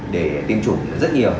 để tiêm chủng rất nhiều